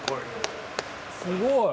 すごい。